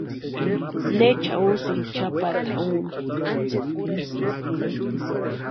¿Neecha úsïki chʼapata úni?